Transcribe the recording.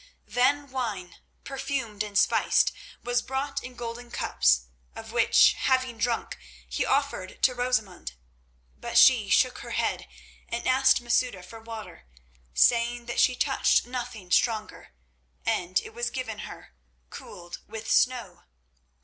Then wine, perfumed and spiced, was brought in golden cups, of which, having drunk, he offered to Rosamund. But she shook her head and asked Masouda for water, saying that she touched nothing stronger, and it was given her, cooled with snow.